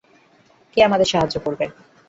কে আমাদের সাহায্য করবে?